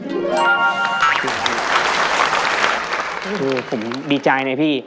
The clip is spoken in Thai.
แล้ววันนี้ผมมีสิ่งหนึ่งนะครับเป็นตัวแทนกำลังใจจากผมเล็กน้อยครับ